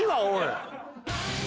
おい！